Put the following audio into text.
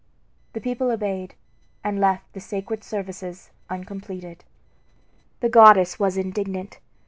The people obeyed, and left the sacred services uncompleted. The goddess was indignant.